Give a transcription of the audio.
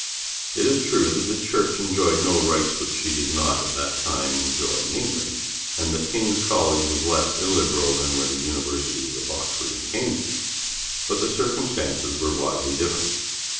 It is true that the Church enjoyed no rights which she did not at the time enjoy in England, and that King's College was less illiberal than were the Universities of Oxford and Cambridge; but the circumstances were widely different.